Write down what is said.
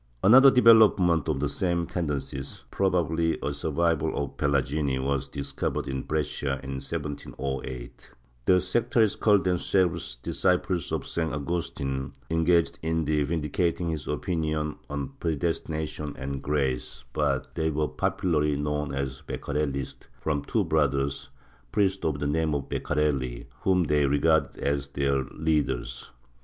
Another development of the same tendencies— probably a sur vival of the Pelagini — was discovered in Brescia in 1708. The sectaries called themselves disciples of St. Augustin, engaged in vindicating his opinions on predestination and grace, but they were popularly known as Beccarellisti, from two brothers, priests of the name of Beccarelli, whom they regarded as their leaders.